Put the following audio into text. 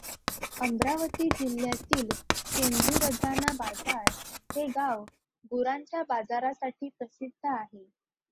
अमरावती जिल्ह्यातील शेंदूरजना बाजार हे गाव गुरांच्या बाजारासाठी प्रसिद्ध आहे.